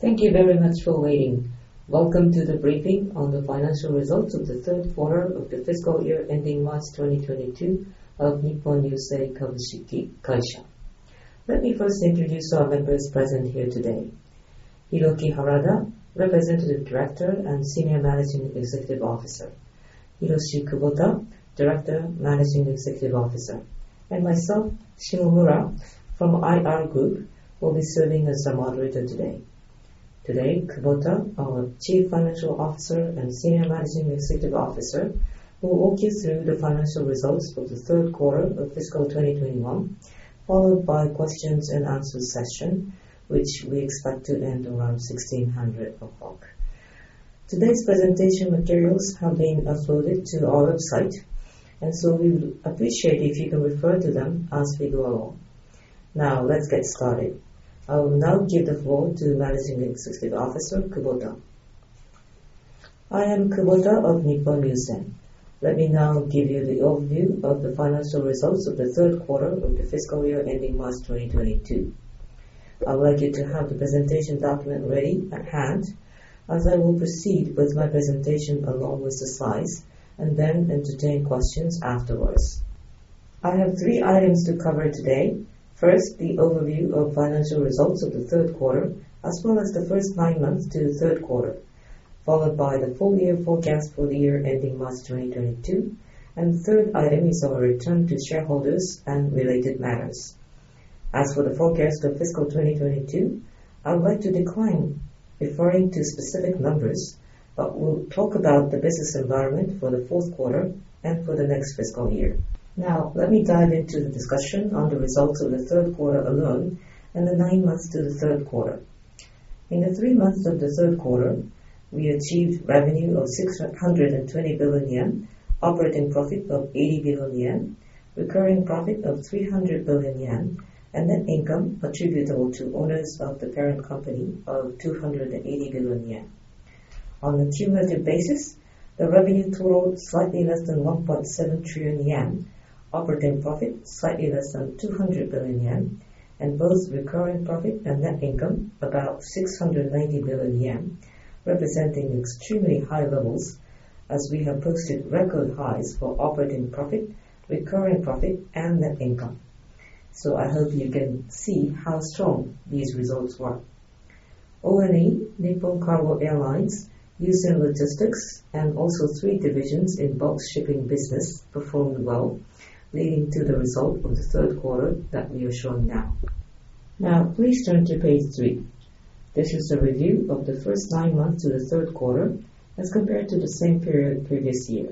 Thank you very much for waiting. Welcome to the briefing on the financial results of the third quarter of the fiscal year ending March 2022 of Nippon Yusen Kabushiki Kaisha. Let me first introduce our members present here today. Hiroki Harada, Representative Director and Senior Managing Executive Officer. Hiroshi Kubota, Director, Managing Executive Officer, and myself, Shimomura from IR Group, will be serving as a moderator today. Today, Kubota, our Chief Financial Officer and Senior Managing Executive Officer, will walk you through the financial results for the third quarter of fiscal 2021, followed by questions and answer session, which we expect to end around 4:00PM. Today's presentation materials have been uploaded to our website, and so we would appreciate if you can refer to them as we go along. Now, let's get started. I will now give the floor to Managing Executive Officer Kubota. I am Hiroshi Kubota of Nippon Yusen. Let me now give you the overview of the financial results of the third quarter of the fiscal year ending March 2022. I'd like you to have the presentation document ready at hand as I will proceed with my presentation along with the slides, and then entertain questions afterwards. I have three items to cover today. First, the overview of financial results of the third quarter, as well as the first nine months to the third quarter, followed by the full year forecast for the year ending March 2022. Third item is our return to shareholders and related matters. As for the forecast of fiscal 2022, I would like to decline referring to specific numbers, but we'll talk about the business environment for the fourth quarter and for the next fiscal year. Now, let me dive into the discussion on the results of the third quarter alone and the nine months to the third quarter. In the three months of the third quarter, we achieved revenue of 620 billion yen, operating profit of 80 billion yen, recurring profit of 300 billion yen, and net income attributable to owners of the parent company of 280 billion yen. On a cumulative basis, the revenue totaled slightly less than 1.7 trillion yen, operating profit slightly less than 200 billion yen, and both recurring profit and net income about 690 billion yen, representing extremely high levels as we have posted record highs for operating profit, recurring profit, and net income. I hope you can see how strong these results were. ONE, Nippon Cargo Airlines, Yusen Logistics, and also three divisions in bulk shipping business performed well, leading to the result of the third quarter that we are showing now. Now, please turn to page three. This is a review of the first nine months to the third quarter as compared to the same period previous year.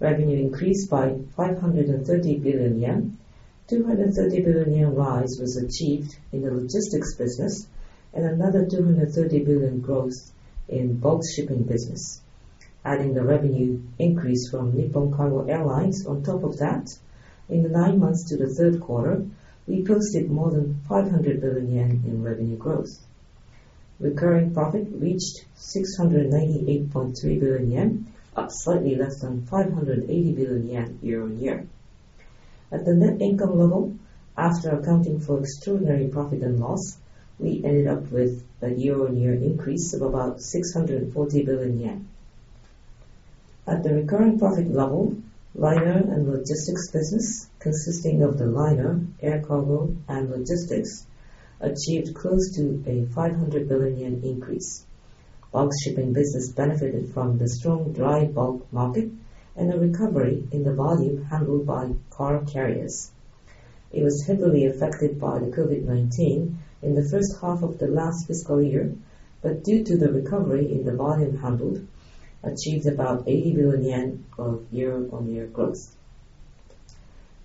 Revenue increased by 530 billion yen. 230 billion yen rise was achieved in the logistics business and another 230 billion growth in bulk shipping business. Adding the revenue increase from Nippon Cargo Airlines on top of that, in the nine months to the third quarter, we posted more than 500 billion yen in revenue growth. Recurring profit reached 698.3 billion yen, up slightly less than 580 billion yen year-on-year. At the net income level, after accounting for extraordinary profit and loss, we ended up with a year-over-year increase of about 640 billion yen. At the recurring profit level, Liner and Logistics Business, consisting of the liner, air cargo, and logistics, achieved close to a 500 billion yen increase. Bulk Shipping Business benefited from the strong dry bulk market and a recovery in the volume handled by car carriers. It was heavily affected by the COVID-19 in the first half of the last fiscal year, but due to the recovery in the volume handled, achieved about 80 billion yen of year-over-year growth.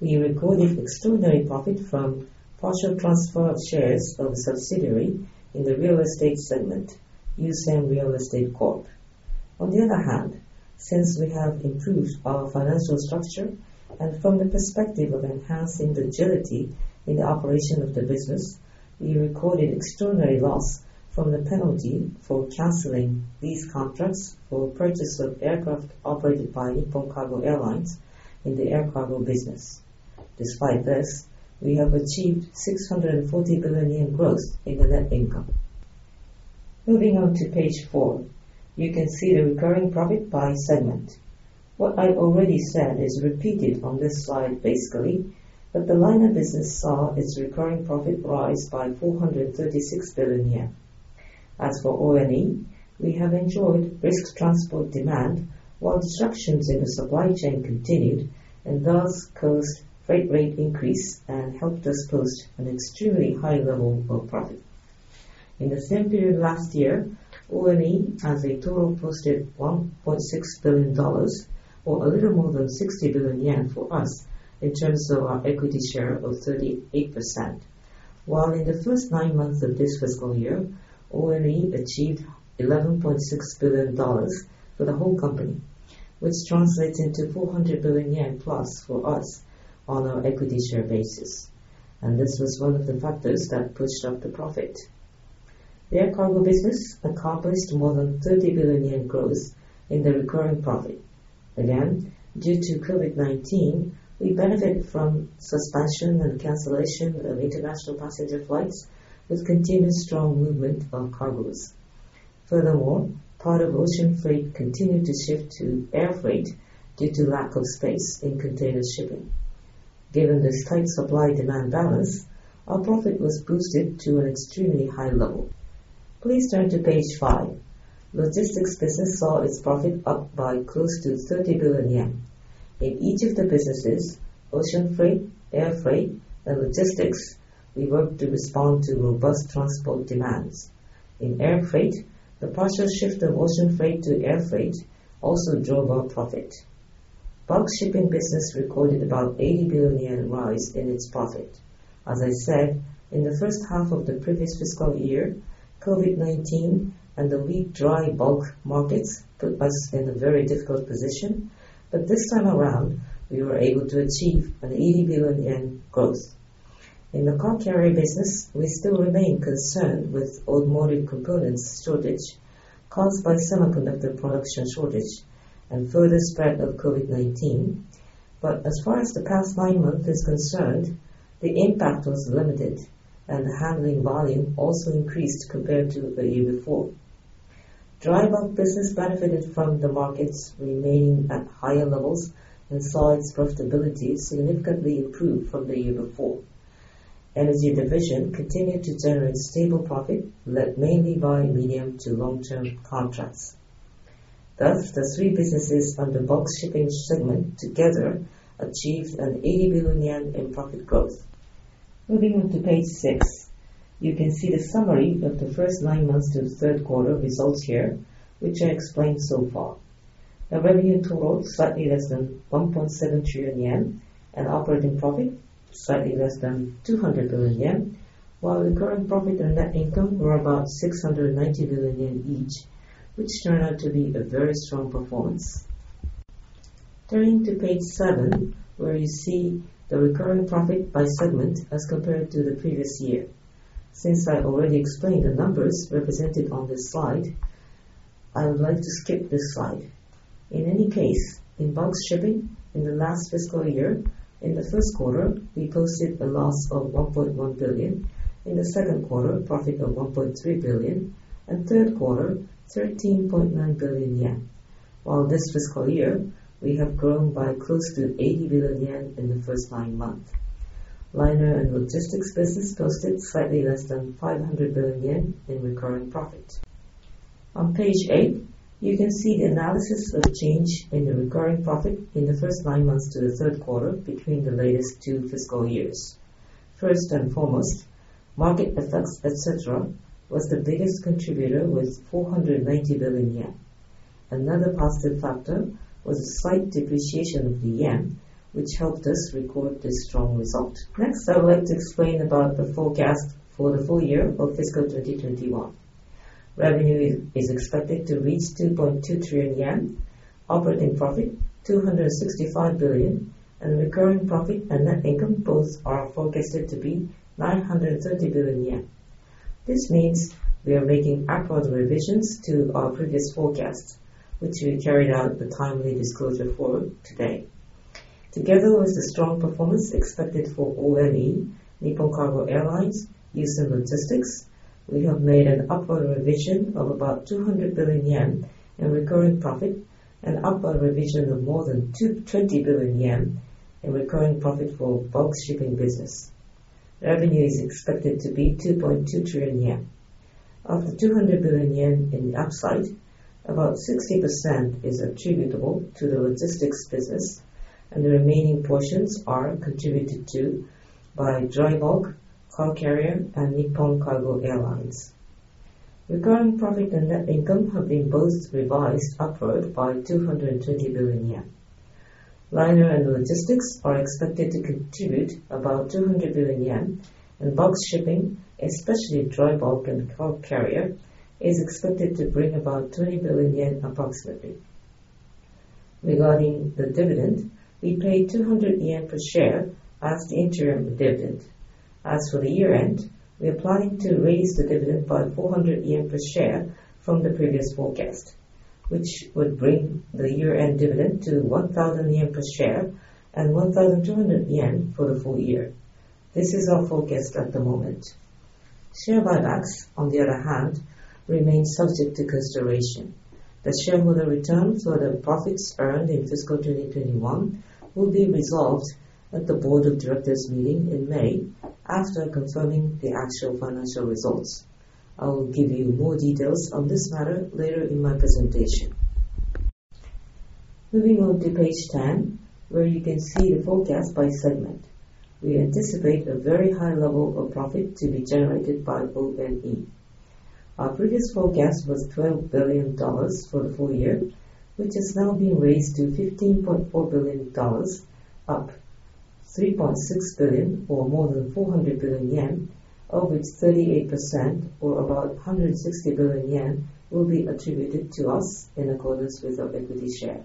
We recorded extraordinary profit from partial transfer of shares from subsidiary in the real estate segment, Yusen Real Estate Corp. On the other hand, since we have improved our financial structure and from the perspective of enhancing the agility in the operation of the business, we recorded extraordinary loss from the penalty for canceling these contracts for purchase of aircraft operated by Nippon Cargo Airlines in the air cargo business. Despite this, we have achieved 640 billion yen growth in the net income. Moving on to page four, you can see the recurring profit by segment. What I already said is repeated on this slide, basically, that the liner business saw its recurring profit rise by 436 billion yen. As for ONE, we have enjoyed brisk transport demand while disruptions in the supply chain continued and thus caused freight rate increase and helped us post an extremely high level of profit. In the same period last year, ONE as a total posted $1.6 billion or a little more than 60 billion yen for us in terms of our equity share of 38%, while in the first nine months of this fiscal year, ONE achieved $11.6 billion for the whole company, which translates into 400 billion yen plus for us on our equity share basis. This was one of the factors that pushed up the profit. The air cargo business accomplished more than JPY 30 billion growth in the recurring profit. Again, due to COVID-19, we benefit from suspension and cancellation of international passenger flights with continued strong movement of cargoes. Furthermore, part of ocean freight continued to shift to air freight due to lack of space in container shipping. Given the tight supply-demand balance, our profit was boosted to an extremely high level. Please turn to page five. Logistics business saw its profit up by close to 30 billion yen. In each of the businesses, ocean freight, air freight, and logistics, we worked to respond to robust transport demands. In air freight, the partial shift of ocean freight to air freight also drove our profit. Bulk shipping business recorded about 80 billion yen rise in its profit. As I said, in the first half of the previous fiscal year, COVID-19 and the weak dry bulk markets put us in a very difficult position, but this time around, we were able to achieve an 80 billion yen growth. In the car carrier business, we still remain concerned with automotive components shortage caused by semiconductor production shortage and further spread of COVID-19. As far as the past nine months is concerned, the impact was limited and the handling volume also increased compared to the year before. Dry bulk business benefited from the markets remaining at higher levels and saw its profitability significantly improve from the year before. Energy division continued to generate stable profit, led mainly by medium to long-term contracts. Thus, the three businesses under Bulk Shipping segment together achieved 80 billion yen in profit growth. Moving on to page six, you can see the summary of the first nine months to the third quarter results here, which I explained so far. The revenue totaled slightly less than 1.7 trillion yen, and operating profit, slightly less than 200 billion yen, while the current profit and net income were about 690 billion yen each, which turned out to be a very strong performance. Turning to page seven, where you see the recurring profit by segment as compared to the previous year. Since I already explained the numbers represented on this slide, I would like to skip this slide. In any case, in Bulk Shipping in the last fiscal year, in the first quarter, we posted a loss of JPY 1.1 billion, in the second quarter, profit of 1.3 billion, and third quarter, 13.9 billion yen. While this fiscal year, we have grown by close to 80 billion yen in the first nine months. Liner and Logistics Business posted slightly less than 500 billion yen in recurring profit. On page eight, you can see the analysis of change in the recurring profit in the first nine months to the third quarter between the latest two fiscal years. First and foremost, market effects, et cetera, was the biggest contributor with 490 billion yen. Another positive factor was a slight depreciation of the yen, which helped us record this strong result. Next, I would like to explain about the forecast for the full year of fiscal 2021. Revenue is expected to reach 2.2 trillion yen, operating profit 265 billion, and recurring profit and net income both are forecasted to be 930 billion yen. This means we are making upward revisions to our previous forecast, which we carried out the timely disclosure for today. Together with the strong performance expected for ONE, Nippon Cargo Airlines, Yusen Logistics, we have made an upward revision of about 200 billion in recurring profit, and upward revision of more than twenty billion yen in recurring profit for bulk shipping business. Revenue is expected to be 2.2 trillion yen. Of the 200 billion yen in the upside, about 60% is attributable to the logistics business, and the remaining portions are contributed to by dry bulk, car carrier, and Nippon Cargo Airlines. Recurring profit and net income have been both revised upward by 220 billion yen. Liner and logistics are expected to contribute about 200 billion yen, and bulk shipping, especially dry bulk and car carrier, is expected to bring about 20 billion yen approximately. Regarding the dividend, we paid 200 yen per share as the interim dividend. As for the year-end, we are planning to raise the dividend by 400 yen per share from the previous forecast, which would bring the year-end dividend to 1,000 yen per share and 1,200 yen for the full year. This is our forecast at the moment. Share buybacks, on the other hand, remain subject to consideration. The shareholder return for the profits earned in fiscal 2021 will be resolved at the board of directors meeting in May after confirming the actual financial results. I will give you more details on this matter later in my presentation. Moving on to page 10, where you can see the forecast by segment. We anticipate a very high level of profit to be generated by ONE. Our previous forecast was $12 billion for the full year, which has now been raised to $15.4 billion, up $3.6 billion or more than 400 billion yen, of which 38% or about 160 billion yen will be attributed to us in accordance with our equity share.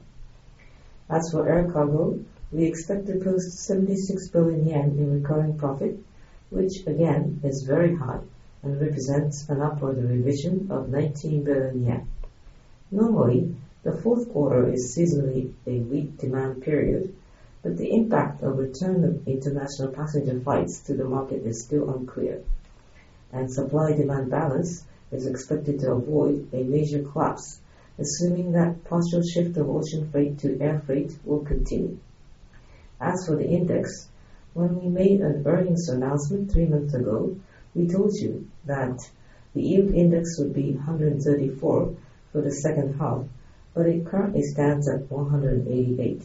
As for Air Cargo, we expect to post JPY 76 billion in recurring profit. Which again is very high and represents an upward revision of 19 billion yen. Normally, the fourth quarter is seasonally a weak demand period, but the impact of return of international passenger flights to the market is still unclear, and supply-demand balance is expected to avoid a major collapse, assuming that partial shift of ocean freight to air freight will continue. As for the index, when we made an earnings announcement three months ago, we told you that the yield index would be 134 for the second half, but it currently stands at 188.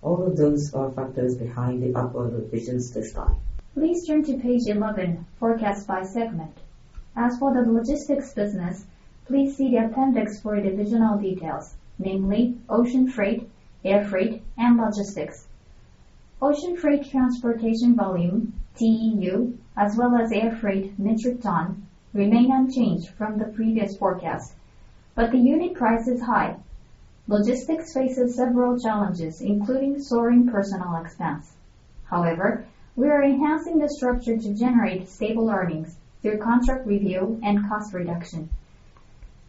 All of those are factors behind the upward revisions this time. Please turn to page 11, forecast by segment. As for the logistics business, please see the appendix for divisional details, namely ocean freight, air freight, and logistics. Ocean freight transportation volume, TEU, as well as air freight metric ton remain unchanged from the previous forecast, but the unit price is high. Logistics faces several challenges, including soaring personnel expense. However, we are enhancing the structure to generate stable earnings through contract review and cost reduction.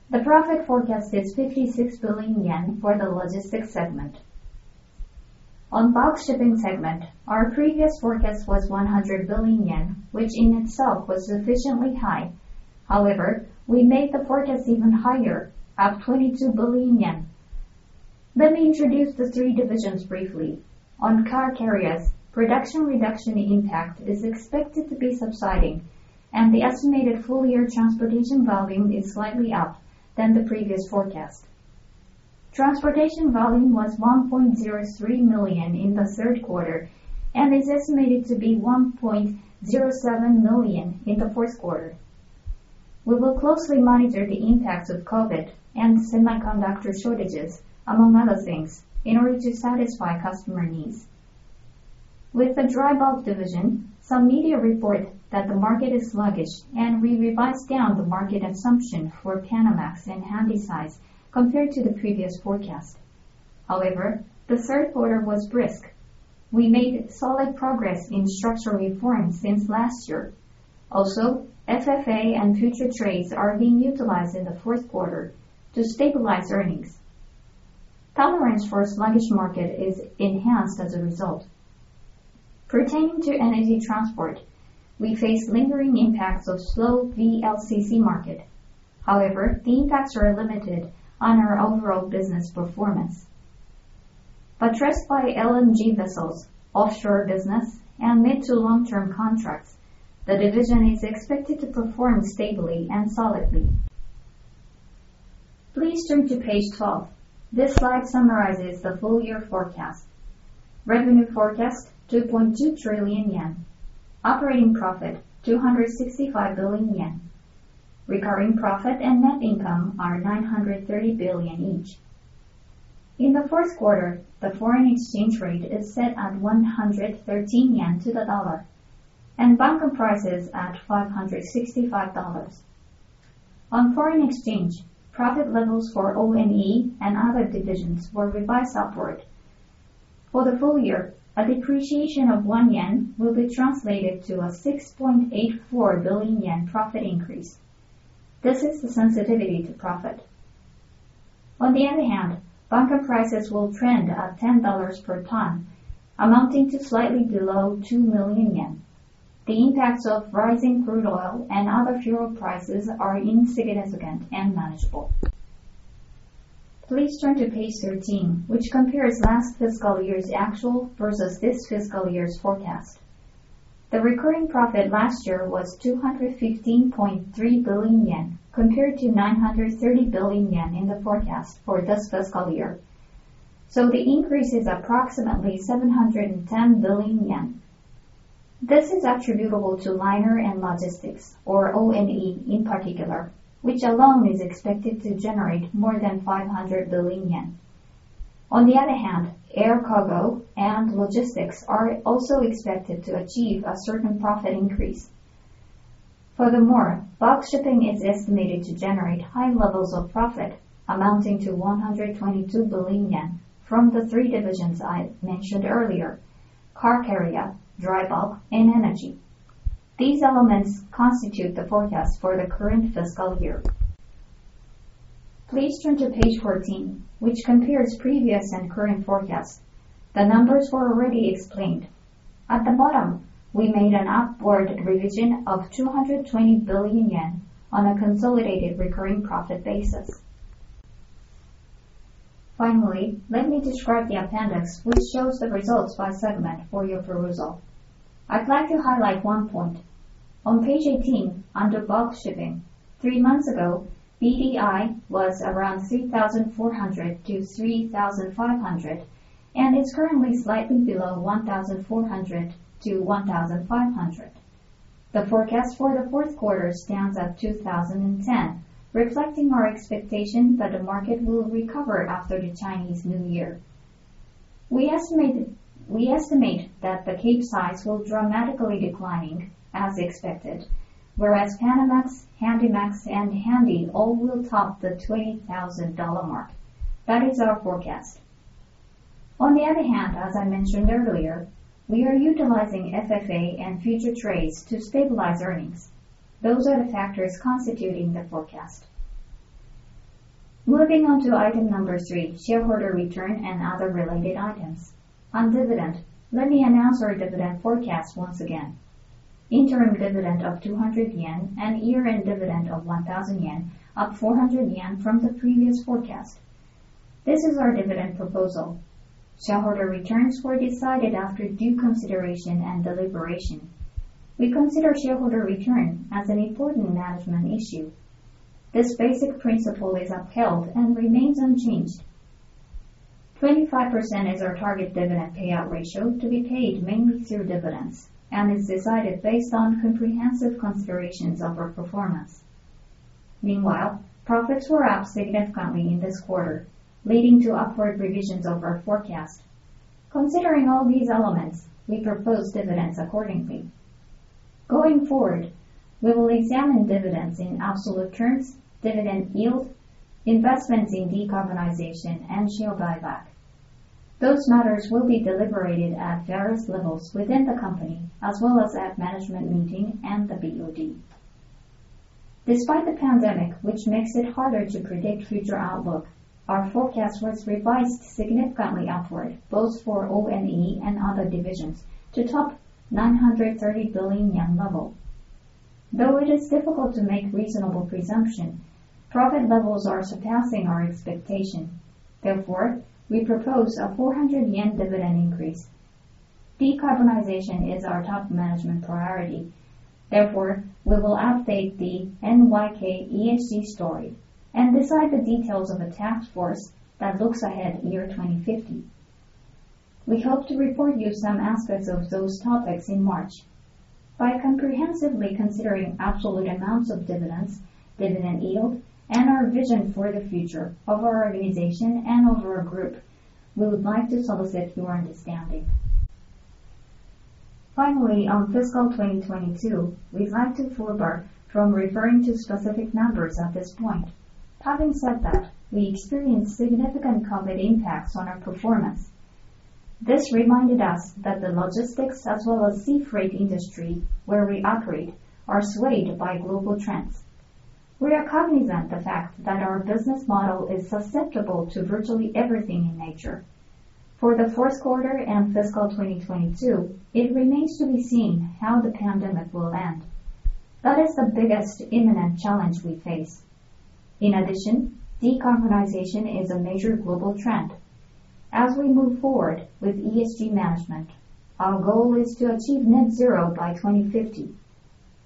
The profit forecast is 56 billion yen for the logistics segment. On bulk shipping segment, our previous forecast was 100 billion yen, which in itself was sufficiently high. However, we made the forecast even higher at 122 billion yen. Let me introduce the three divisions briefly. On car carriers, production reduction impact is expected to be subsiding, and the estimated full year transportation volume is slightly up than the previous forecast. Transportation volume was 1.03 million in the third quarter and is estimated to be 1.07 million in the fourth quarter. We will closely monitor the impacts of COVID and semiconductor shortages, among other things, in order to satisfy customer needs. With the dry bulk division, some media report that the market is sluggish, and we revised down the market assumption for Panamax and Handysize compared to the previous forecast. However, the third quarter was brisk. We made solid progress in structural reforms since last year. Also, FFA and future trades are being utilized in the fourth quarter to stabilize earnings. Tolerance for sluggish market is enhanced as a result. Pertaining to energy transport, we face lingering impacts of slow VLCC market. However, the impacts are limited on our overall business performance. Buttressed by LNG vessels, offshore business, and mid- to long-term contracts, the division is expected to perform stably and solidly. Please turn to page 12. This slide summarizes the full year forecast. Revenue forecast, 2.2 trillion yen. Operating profit, 265 billion yen. Recurring profit and net income are 930 billion each. In the first quarter, the foreign exchange rate is set at 113 yen to the dollar and bunker price is at $565. On foreign exchange, profit levels for ONE and other divisions were revised upward. For the full year, a depreciation of 1 yen will be translated to a 6.84 billion yen profit increase. This is the sensitivity to profit. On the other hand, bunker prices will trend at $10 per ton, amounting to slightly below 2 million yen. The impacts of rising crude oil and other fuel prices are insignificant and manageable. Please turn to page 13, which compares last fiscal year's actual versus this fiscal year's forecast. The recurring profit last year was 215.3 billion yen compared to 930 billion yen in the forecast for this fiscal year. The increase is approximately 710 billion yen. This is attributable to Liner and Logistics or ONE in particular, which alone is expected to generate more than 500 billion yen. On the other hand, air cargo and logistics are also expected to achieve a certain profit increase. Furthermore, bulk shipping is estimated to generate high levels of profit amounting to 122 billion yen from the three divisions I mentioned earlier, car carrier, dry bulk, and energy. These elements constitute the forecast for the current fiscal year. Please turn to page 14, which compares previous and current forecast. The numbers were already explained. At the bottom, we made an upward revision of 220 billion yen on a consolidated recurring profit basis. Finally, let me describe the appendix which shows the results by segment for your perusal. I plan to highlight one point. On page 18, under bulk shipping, three months ago, BDI was around 3,400-3,500 and is currently slightly below 1,400-1,500. The forecast for the fourth quarter stands at 2,010, reflecting our expectation that the market will recover after the Chinese New Year. We estimate that the Capesize will dramatically decline as expected, whereas Panamax, Handymax, and Handysize all will top the $20,000 mark. That is our forecast. On the other hand, as I mentioned earlier, we are utilizing FFA and future trades to stabilize earnings. Those are the factors constituting the forecast. Moving on to item number three, shareholder return and other related items. On dividend, let me announce our dividend forecast once again. Interim dividend of 200 yen and year-end dividend of 1,000 yen, up 400 yen from the previous forecast. This is our dividend proposal. Shareholder returns were decided after due consideration and deliberation. We consider shareholder return as an important management issue. This basic principle is upheld and remains unchanged. 25% is our target dividend payout ratio to be paid mainly through dividends and is decided based on comprehensive considerations of our performance. Meanwhile, profits were up significantly in this quarter, leading to upward revisions of our forecast. Considering all these elements, we propose dividends accordingly. Going forward, we will examine dividends in absolute terms, dividend yield, investments in decarbonization, and share buyback. Those matters will be deliberated at various levels within the company as well as at management meeting and the BOD. Despite the pandemic, which makes it harder to predict future outlook, our forecast was revised significantly upward, both for ONE and other divisions, to a 930 billion yen level. Though it is difficult to make reasonable presumption, profit levels are surpassing our expectation. Therefore, we propose a 400 yen dividend increase. Decarbonization is our top management priority. Therefore, we will update the NYK ESG Story and decide the details of a task force that looks ahead to 2050. We hope to report to you some aspects of those topics in March. By comprehensively considering absolute amounts of dividends, dividend yield, and our vision for the future of our organization and of our group, we would like to solicit your understanding. Finally, on fiscal 2022, we'd like to refrain from referring to specific numbers at this point. Having said that, we experienced significant COVID impacts on our performance. This reminded us that the logistics as well as sea freight industry where we operate are swayed by global trends. We are cognizant of the fact that our business model is susceptible to virtually everything in nature. For the fourth quarter and fiscal 2022, it remains to be seen how the pandemic will end. That is the biggest imminent challenge we face. In addition, decarbonization is a major global trend. As we move forward with ESG management, our goal is to achieve net zero by 2050.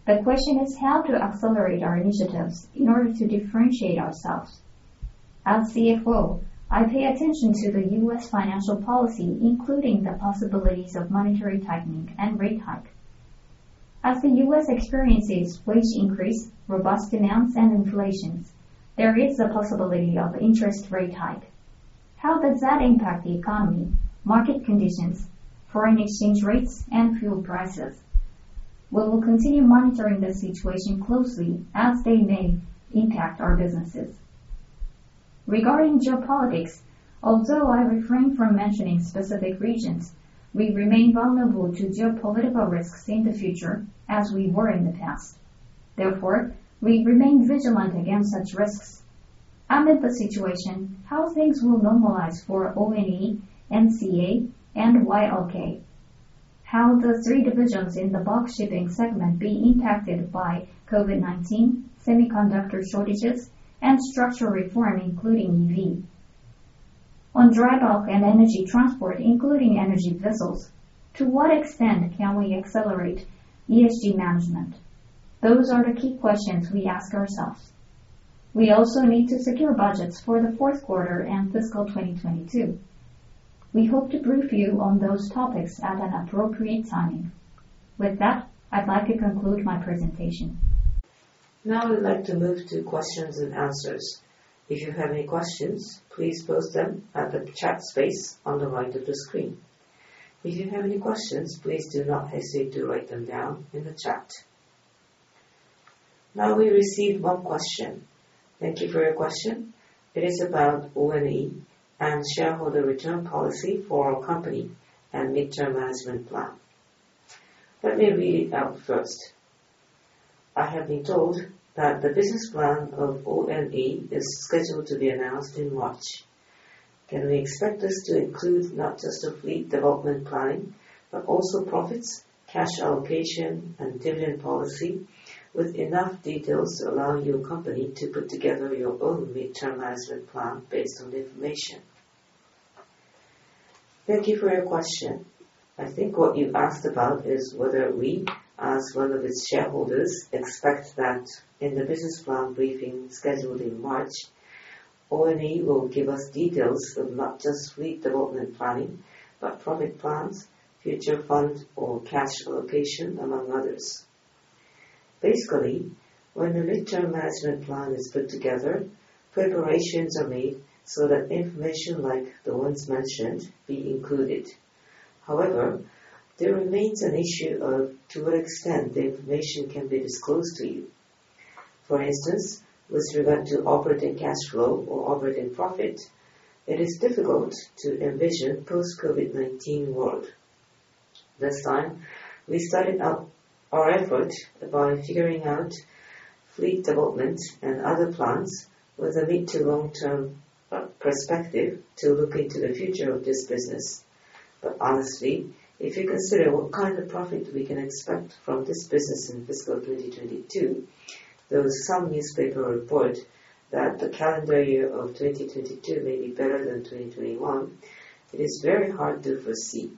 The question is how to accelerate our initiatives in order to differentiate ourselves. As CFO, I pay attention to the U.S. financial policy, including the possibilities of monetary tightening and rate hike. As the U.S. experiences wage increase, robust demands, and inflations, there is a possibility of interest rate hike. How does that impact the economy, market conditions, foreign exchange rates, and fuel prices? We will continue monitoring the situation closely as they may impact our businesses. Regarding geopolitics, although I refrain from mentioning specific regions, we remain vulnerable to geopolitical risks in the future as we were in the past. Therefore, we remain vigilant against such risks. Amid the situation, how things will normalize for ONE, NCA, and YLK? How the three divisions in the bulk shipping segment be impacted by COVID-19, semiconductor shortages, and structural reform, including EV? On dry bulk and energy transport, including energy vessels, to what extent can we accelerate ESG management? Those are the key questions we ask ourselves. We also need to secure budgets for the fourth quarter and fiscal 2022. We hope to brief you on those topics at an appropriate timing. With that, I'd like to conclude my presentation. Now I would like to move to questions and answers. If you have any questions, please post them at the chat space on the right of the screen. If you have any questions, please do not hesitate to write them down in the chat. Now we receive one question. Thank you for your question. It is about ONE and shareholder return policy for our company and midterm management plan. Let me read it out first. I have been told that the business plan of ONE is scheduled to be announced in March. Can we expect this to include not just a fleet development planning, but also profits, cash allocation, and dividend policy with enough details to allow your company to put together your own midterm management plan based on the information? Thank you for your question. I think what you've asked about is whether we, as one of its shareholders, expect that in the business plan briefing scheduled in March, ONE will give us details of not just fleet development planning, but profit plans, future fund or cash allocation, among others. Basically, when the midterm management plan is put together, preparations are made so that information like the ones mentioned be included. However, there remains an issue of to what extent the information can be disclosed to you. For instance, with regard to operating cash flow or operating profit, it is difficult to envision post COVID-19 world. This time, we started up our effort by figuring out fleet development and other plans with a mid- to long-term perspective to look into the future of this business. Honestly, if you consider what kind of profit we can expect from this business in fiscal 2022, there was some newspaper report that the calendar year of 2022 may be better than 2021. It is very hard to foresee.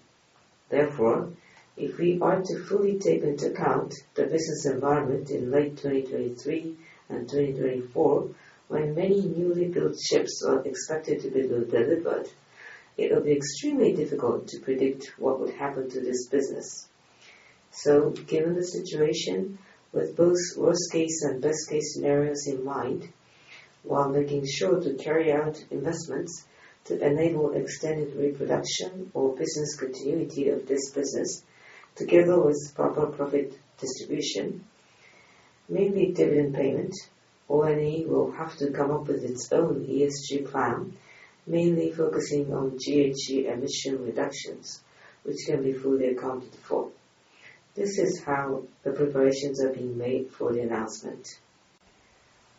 Therefore, if we are to fully take into account the business environment in late 2023 and 2024, when many newly built ships are expected to be delivered, it'll be extremely difficult to predict what would happen to this business. Given the situation, with both worst-case and best-case scenarios in mind, while making sure to carry out investments to enable extended reproduction or business continuity of this business, together with proper profit distribution, mainly dividend payment, ONE will have to come up with its own ESG plan, mainly focusing on GHG emission reductions, which can be fully accounted for. This is how the preparations are being made for the announcement.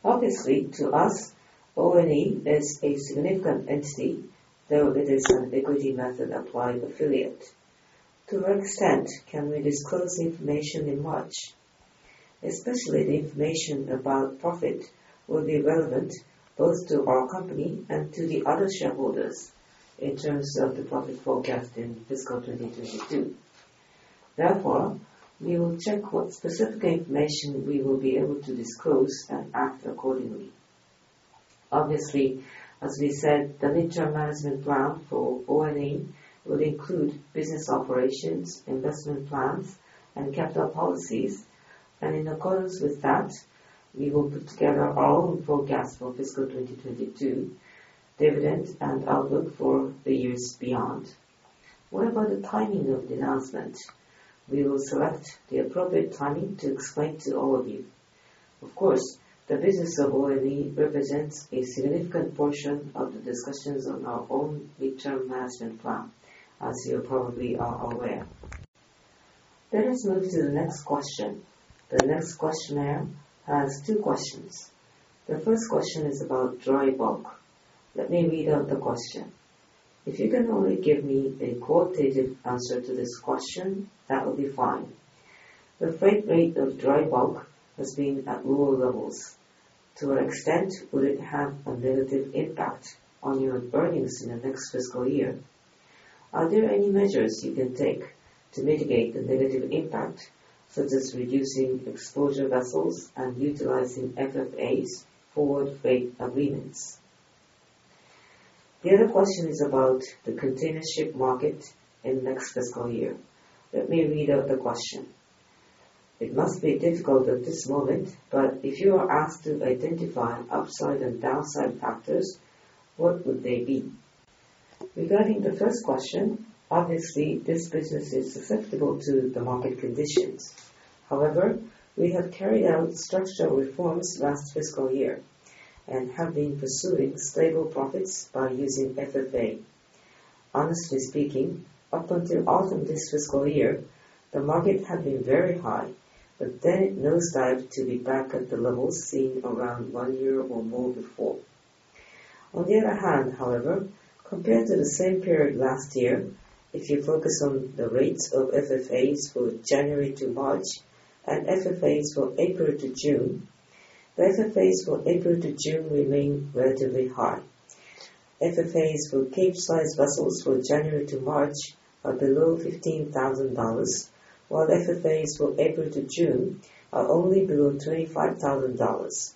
Obviously, to us, ONE is a significant entity, though it is an equity method applied affiliate. To what extent can we disclose information in March? Especially the information about profit will be relevant both to our company and to the other shareholders in terms of the profit forecast in fiscal 2022. Therefore, we will check what specific information we will be able to disclose and act accordingly. Obviously, as we said, the mid-term management plan for ONE will include business operations, investment plans, and capital policies. In accordance with that, we will put together our own forecast for fiscal 2022, dividend, and outlook for the years beyond. What about the timing of the announcement? We will select the appropriate timing to explain to all of you. Of course, the business of ONE represents a significant portion of the discussions on our own mid-term management plan, as you probably are aware. Let us move to the next question. The next questioner has two questions. The first question is about dry bulk. Let me read out the question. If you can only give me a quantitative answer to this question, that would be fine. The freight rate of dry bulk has been at lower levels. To what extent would it have a negative impact on your earnings in the next fiscal year? Are there any measures you can take to mitigate the negative impact, such as reducing exposure vessels and utilizing FFAs, forward freight agreements? The other question is about the container ship market in next fiscal year. Let me read out the question. It must be difficult at this moment, but if you are asked to identify upside and downside factors, what would they be? Regarding the first question, obviously, this business is susceptible to the market conditions. However, we have carried out structural reforms last fiscal year and have been pursuing stable profits by using FFA. Honestly speaking, up until autumn this fiscal year, the market had been very high, but then it nosedived to be back at the levels seen around one year or more before. On the other hand, however, compared to the same period last year, if you focus on the rates of FFAs for January to March and FFAs for April to June. The FFAs for April to June remain relatively high. FFAs for Capesize vessels for January to March are below $15,000, while FFAs for April to June are only below $25,000.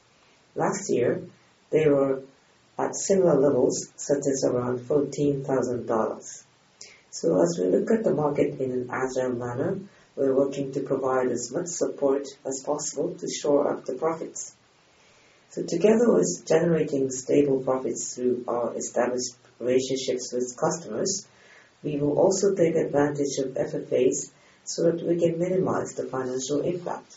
Last year, they were at similar levels, such as around $14,000. As we look at the market in an agile manner, we're working to provide as much support as possible to shore up the profits. Together with generating stable profits through our established relationships with customers, we will also take advantage of FFAs so that we can minimize the financial impact.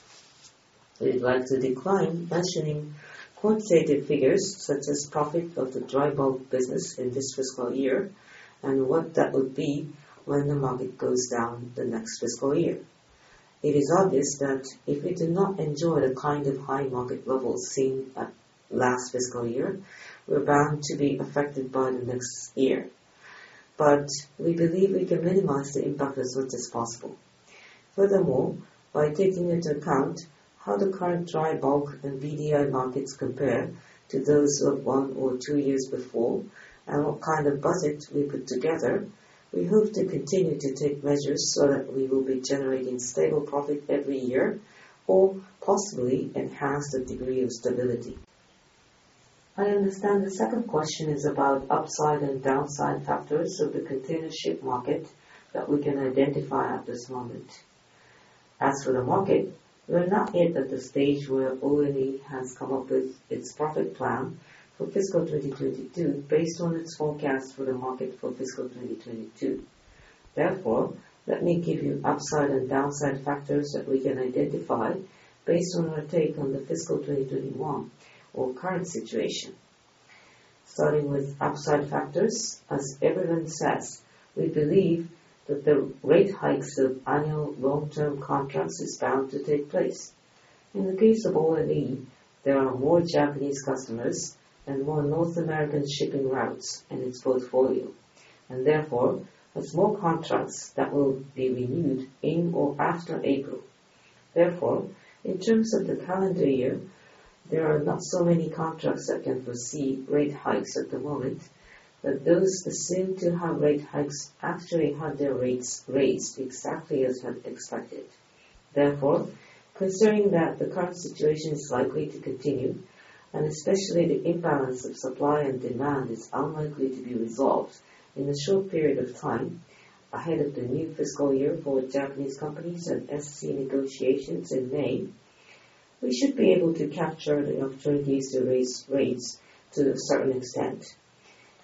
We'd like to decline mentioning quantitative figures, such as profit of the dry bulk business in this fiscal year and what that would be when the market goes down the next fiscal year. It is obvious that if we do not enjoy the kind of high market levels seen at last fiscal year, we're bound to be affected by the next year. We believe we can minimize the impact as much as possible. Furthermore, by taking into account how the current dry bulk and BDI markets compare to those of one or two years before and what kind of budget we put together, we hope to continue to take measures so that we will be generating stable profit every year or possibly enhance the degree of stability. I understand the second question is about upside and downside factors of the container ship market that we can identify at this moment. As for the market, we're not yet at the stage where ONE has come up with its profit plan for fiscal 2022 based on its forecast for the market for fiscal 2022. Therefore, let me give you upside and downside factors that we can identify based on our take on the fiscal 2021 or current situation. Starting with upside factors, as everyone says, we believe that the rate hikes of annual long-term contracts is bound to take place. In the case of ONE, there are more Japanese customers and more North American shipping routes in its portfolio, and therefore, has more contracts that will be renewed in or after April. Therefore, in terms of the calendar year, there are not so many contracts that can foresee rate hikes at the moment, but those assumed to have rate hikes actually had their rates raised exactly as we expected. Therefore, considering that the current situation is likely to continue, and especially the imbalance of supply and demand is unlikely to be resolved in a short period of time, ahead of the new fiscal year for Japanese companies and SC negotiations in May, we should be able to capture the opportunities to raise rates to a certain extent.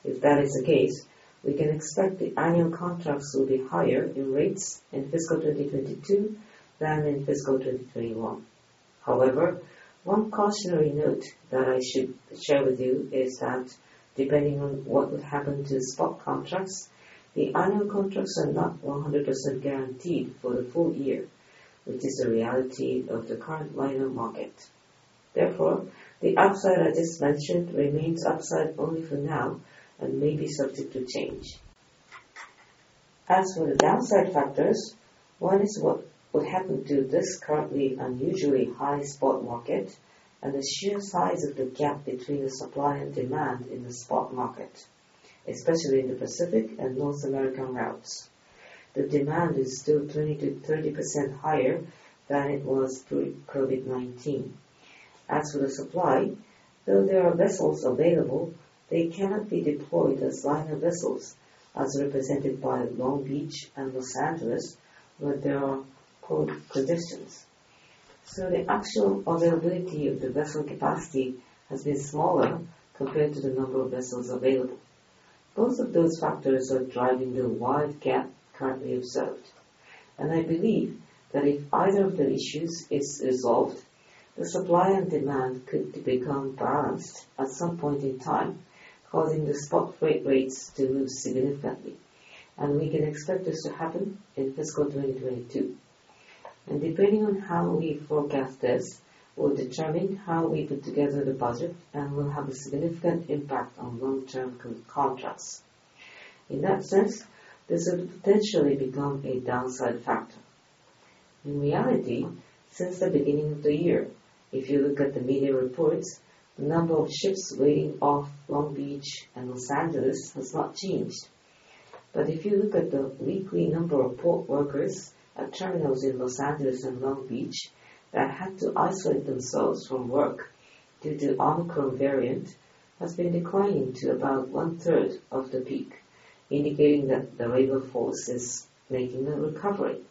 If that is the case, we can expect the annual contracts will be higher in rates in fiscal 2022 than in fiscal 2021. However, one cautionary note that I should share with you is that depending on what would happen to spot contracts, the annual contracts are not 100% guaranteed for the full year, which is a reality of the current liner market. Therefore, the upside I just mentioned remains upside only for now and may be subject to change. As for the downside factors, one is what would happen to this currently unusually high spot market and the sheer size of the gap between the supply and demand in the spot market, especially in the Pacific and North American routes. The demand is still 20%-30% higher than it was pre-COVID-19. As for the supply, though there are vessels available, they cannot be deployed as liner vessels, as represented by Long Beach and Los Angeles, where there are port congestions. The actual availability of the vessel capacity has been smaller compared to the number of vessels available. Both of those factors are driving the wide gap currently observed. I believe that if either of the issues is resolved, the supply and demand could become balanced at some point in time, causing the spot rate rates to lose significantly. We can expect this to happen in fiscal 2022. Depending on how we forecast this, will determine how we put together the budget and will have a significant impact on long-term contracts. In that sense, this will potentially become a downside factor. In reality, since the beginning of the year, if you look at the media reports, the number of ships waiting off Long Beach and Los Angeles has not changed. If you look at the weekly number of port workers at terminals in Los Angeles and Long Beach that had to isolate themselves from work due to Omicron variant, has been declining to about one-third of the peak, indicating that the labor force is making a recovery.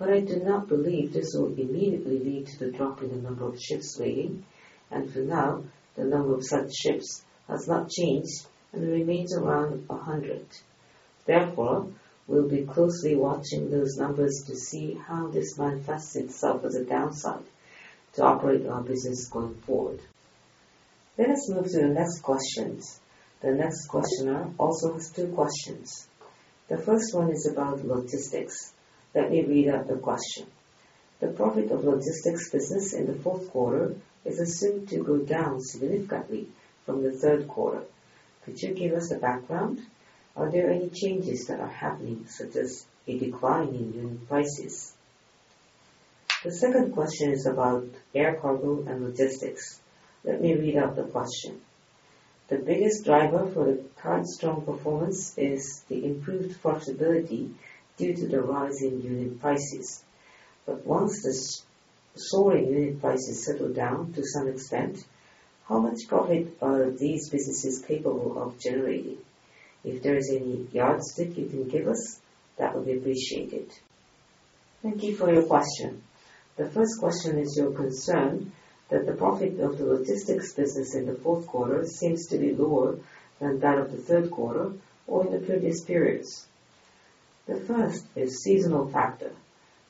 I do not believe this will immediately lead to the drop in the number of ships waiting. For now, the number of such ships has not changed and remains around 100. Therefore, we'll be closely watching those numbers to see how this manifests itself as a downside to operate our business going forward. Let us move to the next questions. The next questioner also has two questions. The first one is about logistics. Let me read out the question. The profit of logistics business in the fourth quarter is assumed to go down significantly from the third quarter. Could you give us a background? Are there any changes that are happening, such as a decline in unit prices? The second question is about air cargo and logistics. Let me read out the question. The biggest driver for the current strong performance is the improved profitability due to the rise in unit prices. But once the soaring unit prices settle down to some extent, how much profit are these businesses capable of generating? If there is any yardstick you can give us, that would be appreciated. Thank you for your question. The first question is your concern that the profit of the logistics business in the fourth quarter seems to be lower than that of the third quarter or in the previous periods. The first is a seasonal factor.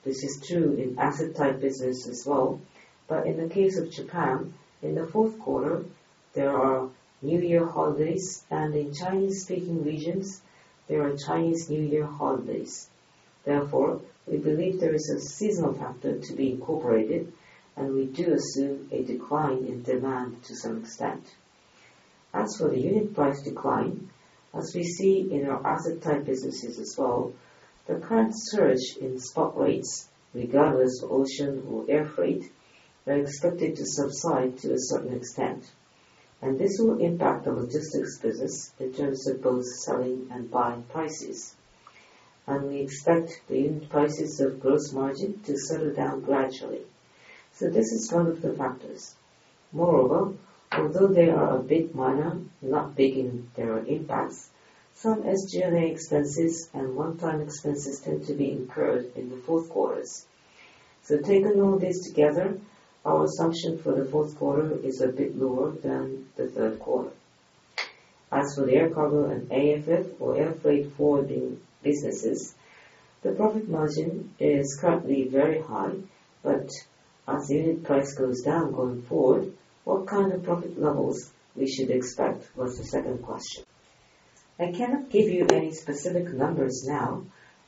This is true in asset type business as well, but in the case of Japan, in the fourth quarter, there are New Year holidays, and in Chinese-speaking regions, there are Chinese New Year holidays. Therefore, we believe there is a seasonal factor to be incorporated, and we do assume a decline in demand to some extent. As for the unit price decline, as we see in our asset type businesses as well, the current surge in spot rates, regardless of ocean or air freight, are expected to subside to a certain extent. This will impact the logistics business in terms of both selling and buying prices. We expect the unit prices of gross margin to settle down gradually. This is one of the factors. Moreover, although they are a bit minor, not big in their impacts, some SG&A expenses and one-time expenses tend to be incurred in the fourth quarters. Taking all this together, our assumption for the fourth quarter is a bit lower than the third quarter. As for the air cargo and AFF or Air Freight Forwarding businesses, the profit margin is currently very high, but as unit price goes down going forward, what kind of profit levels we should expect was the second question. I cannot give you any specific numbers now,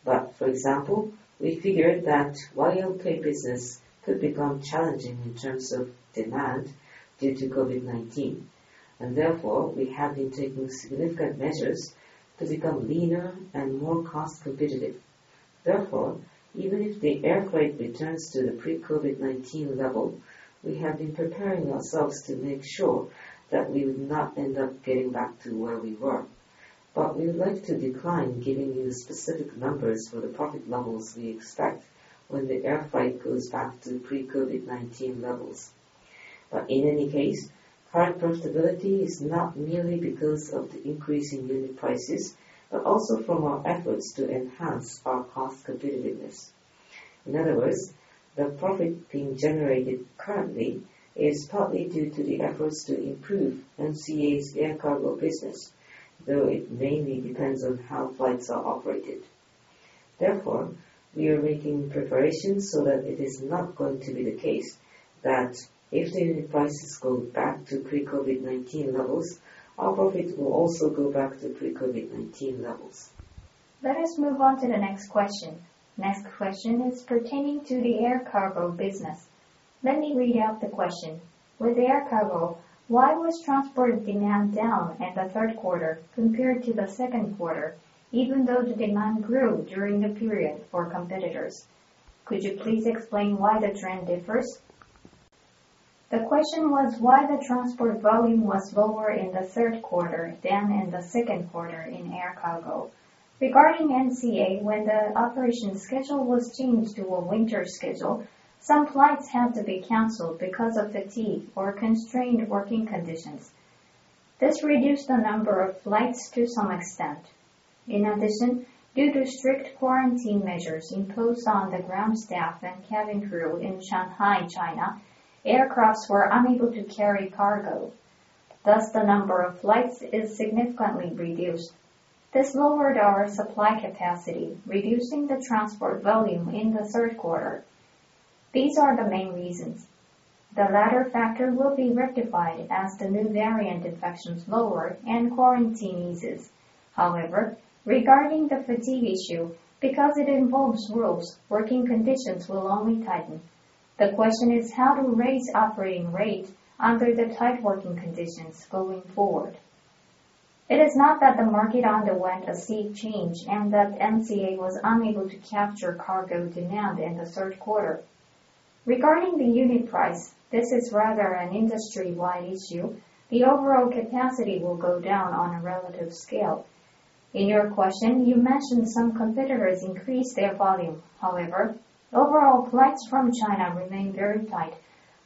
but for example, we figured that Yusen Logistics business could become challenging in terms of demand due to COVID-19, and therefore, we have been taking significant measures to become leaner and more cost competitive. Therefore, even if the air freight returns to the pre-COVID-19 level, we have been preparing ourselves to make sure that we would not end up getting back to where we were. We would like to decline giving you specific numbers for the profit levels we expect when the air freight goes back to pre-COVID-19 levels. In any case, current profitability is not merely because of the increase in unit prices, but also from our efforts to enhance our cost competitiveness. In other words, the profit being generated currently is partly due to the efforts to improve NCA's air cargo business, though it mainly depends on how flights are operated. Therefore, we are making preparations so that it is not going to be the case that if the unit prices go back to pre-COVID-19 levels, our profit will also go back to pre-COVID-19 levels. Let us move on to the next question. Next question is pertaining to the air cargo business. Let me read out the question. With air cargo, why was transport demand down in the third quarter compared to the second quarter, even though the demand grew during the period for competitors? Could you please explain why the trend differs? The question was why the transport volume was lower in the third quarter than in the second quarter in air cargo. Regarding NCA, when the operation schedule was changed to a winter schedule, some flights had to be canceled because of fatigue or constrained working conditions. This reduced the number of flights to some extent. In addition, due to strict quarantine measures imposed on the ground staff and cabin crew in Shanghai, China, aircraft were unable to carry cargo. Thus, the number of flights is significantly reduced. This lowered our supply capacity, reducing the transport volume in the third quarter. These are the main reasons. The latter factor will be rectified as the new variant infections lower and quarantine eases. However, regarding the fatigue issue, because it involves rules, working conditions will only tighten. The question is how to raise operating rates under the tight working conditions going forward. It is not that the market underwent a sea change and that NCA was unable to capture cargo demand in the third quarter. Regarding the unit price, this is rather an industry-wide issue. The overall capacity will go down on a relative scale. In your question, you mentioned some competitors increased their volume. However, overall flights from China remain very tight,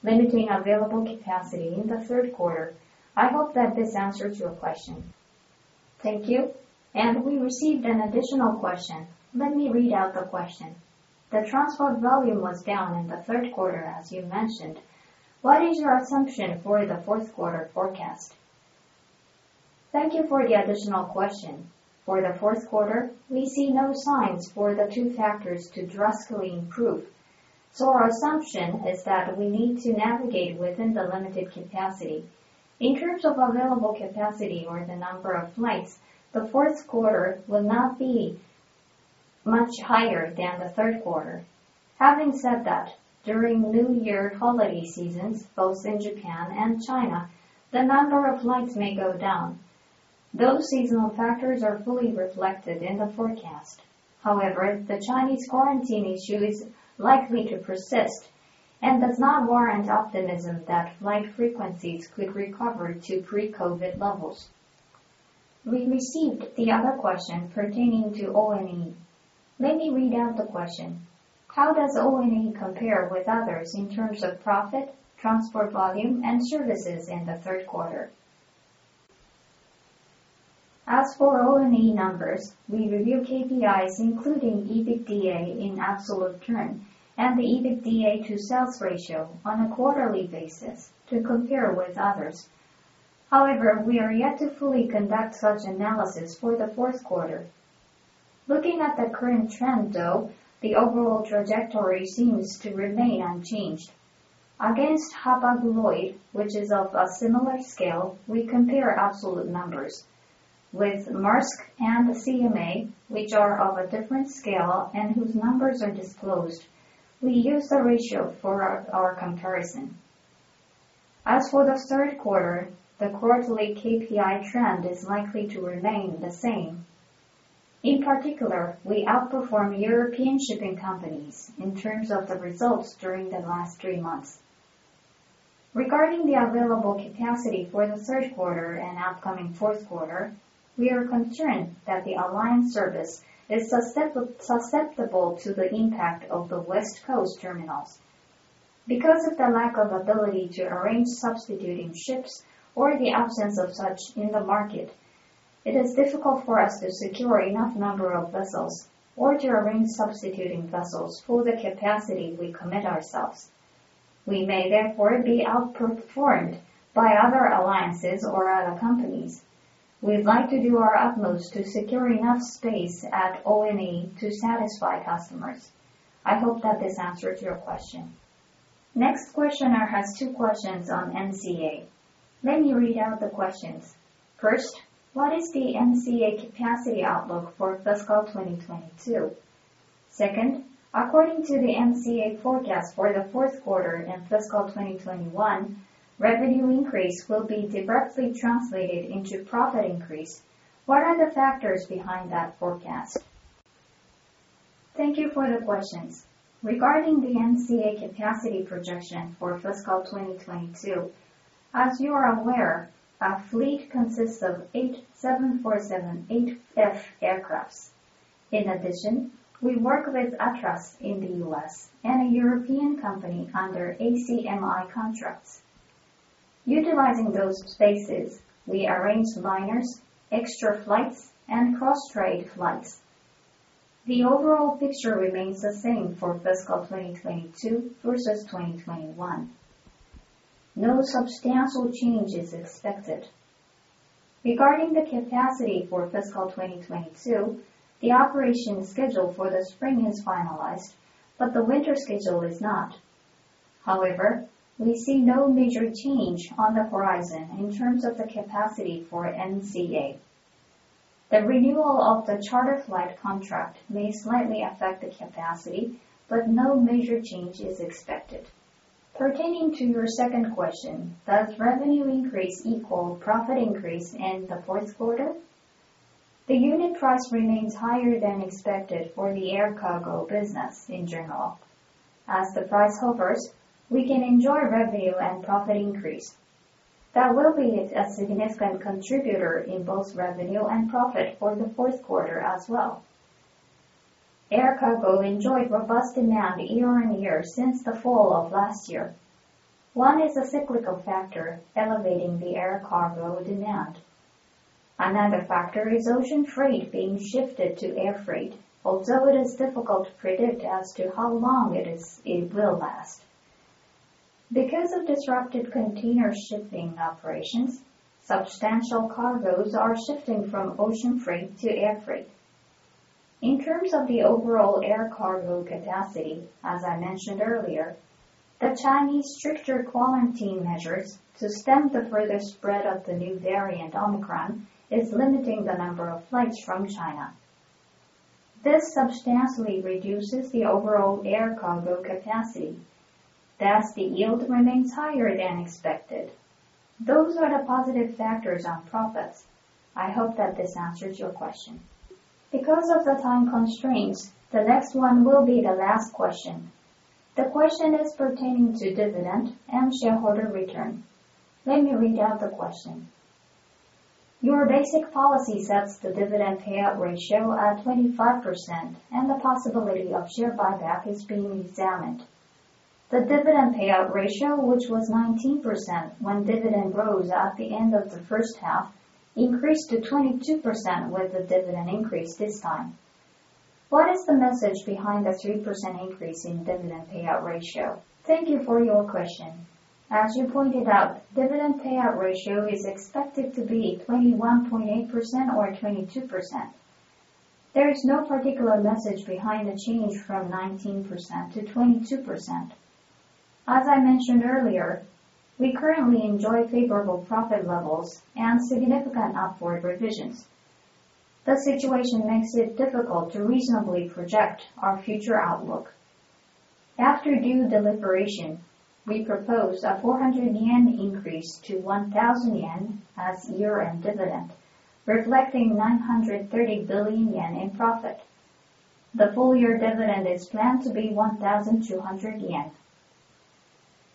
limiting available capacity in the third quarter. I hope that this answers your question. Thank you. We received an additional question. Let me read out the question. The transport volume was down in the third quarter, as you mentioned. What is your assumption for the fourth quarter forecast? Thank you for the additional question. For the fourth quarter, we see no signs for the two factors to drastically improve. Our assumption is that we need to navigate within the limited capacity. In terms of available capacity or the number of flights, the fourth quarter will not be much higher than the third quarter. Having said that, during New Year holiday seasons, both in Japan and China, the number of flights may go down. Those seasonal factors are fully reflected in the forecast. However, the Chinese quarantine issue is likely to persist and does not warrant optimism that flight frequencies could recover to pre-COVID levels. We received the other question pertaining to ONE. Let me read out the question. How does ONE compare with others in terms of profit, transport volume, and services in the third quarter? As for ONE numbers, we review KPIs including EBITDA in absolute terms and the EBITDA to sales ratio on a quarterly basis to compare with others. However, we are yet to fully conduct such analysis for the fourth quarter. Looking at the current trend, though, the overall trajectory seems to remain unchanged. Against Hapag-Lloyd, which is of a similar scale, we compare absolute numbers. With Maersk and CMA, which are of a different scale and whose numbers are disclosed, we use the ratio for our comparison. As for the third quarter, the quarterly KPI trend is likely to remain the same. In particular, we outperform European shipping companies in terms of the results during the last three months. Regarding the available capacity for the third quarter and upcoming fourth quarter, we are concerned that the alliance service is susceptible to the impact of the West Coast terminals. Because of the lack of ability to arrange substituting ships or the absence of such in the market, it is difficult for us to secure enough number of vessels or to arrange substituting vessels for the capacity we commit ourselves. We may therefore be outperformed by other alliances or other companies. We'd like to do our utmost to secure enough space at ONE to satisfy customers. I hope that this answers your question. Next questioner has two questions on NCA. Let me read out the questions. First, what is the NCA capacity outlook for fiscal 2022? Second, according to the NCA forecast for the fourth quarter in fiscal 2021, revenue increase will be directly translated into profit increase. What are the factors behind that forecast? Thank you for the questions. Regarding the NCA capacity projection for fiscal 2022, as you are aware, our fleet consists of 8 747-8F aircraft. In addition, we work with Atlas Air in the U.S. and a European company under ACMI contracts. Utilizing those spaces, we arrange liners, extra flights, and cross-trade flights. The overall picture remains the same for fiscal 2022 versus 2021. No substantial change is expected. Regarding the capacity for fiscal 2022, the operation schedule for the spring is finalized, but the winter schedule is not. However, we see no major change on the horizon in terms of the capacity for NCA. The renewal of the charter flight contract may slightly affect the capacity, but no major change is expected. Pertaining to your second question, does revenue increase equal profit increase in the fourth quarter? The unit price remains higher than expected for the air cargo business in general. As the price hovers, we can enjoy revenue and profit increase. That will be a significant contributor in both revenue and profit for the fourth quarter as well. Air cargo enjoyed robust demand year-on-year since the fall of last year. One is a cyclical factor elevating the air cargo demand. Another factor is ocean freight being shifted to air freight, although it is difficult to predict as to how long it will last. Because of disrupted container shipping operations, substantial cargos are shifting from ocean freight to air freight. In terms of the overall air cargo capacity, as I mentioned earlier, the Chinese stricter quarantine measures to stem the further spread of the new variant, Omicron, is limiting the number of flights from China. This substantially reduces the overall air cargo capacity. Thus, the yield remains higher than expected. Those are the positive factors on profits. I hope that this answers your question. Because of the time constraints, the next one will be the last question. The question is pertaining to dividend and shareholder return. Let me read out the question. Your basic policy sets the dividend payout ratio at 25% and the possibility of share buyback is being examined. The dividend payout ratio, which was 19% when dividend rose at the end of the first half, increased to 22% with the dividend increase this time. What is the message behind the 3% increase in dividend payout ratio? Thank you for your question. As you pointed out, dividend payout ratio is expected to be 21.8% or 22%. There is no particular message behind the change from 19% to 22%. As I mentioned earlier, we currently enjoy favorable profit levels and significant upward revisions. The situation makes it difficult to reasonably project our future outlook. After due deliberation, we propose a 400 yen increase to 1,000 yen as year-end dividend, reflecting 130 billion yen in profit. The full-year dividend is planned to be 1,200 yen.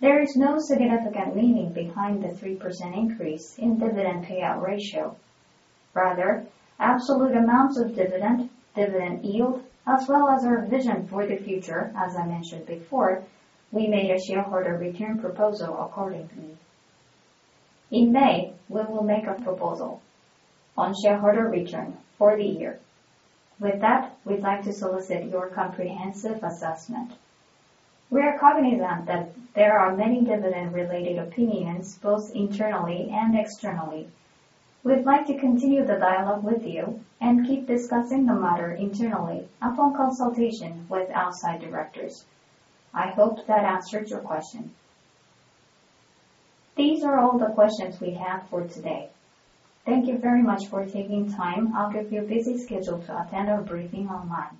There is no significant meaning behind the 3% increase in dividend payout ratio. Rather, absolute amounts of dividend yield, as well as our vision for the future, as I mentioned before, we made a shareholder return proposal accordingly. In May, we will make a proposal on shareholder return for the year. With that, we'd like to solicit your comprehensive assessment. We are cognizant that there are many dividend-related opinions, both internally and externally. We'd like to continue the dialogue with you and keep discussing the matter internally upon consultation with outside directors. I hope that answered your question. These are all the questions we have for today. Thank you very much for taking time out of your busy schedule to attend our briefing online.